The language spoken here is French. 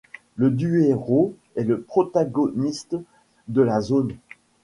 Le Duero est le protagoniste de la zone.